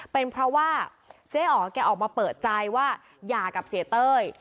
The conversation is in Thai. เป็นเพราะว่าเจ๊อ๋อแกออกมาเปิดใจว่าหย่ากับเสียเต้ย